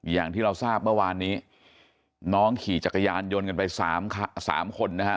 อย่างที่เราทราบเมื่อวานนี้น้องขี่จักรยานยนต์กันไปสามคนนะฮะ